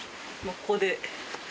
ここで。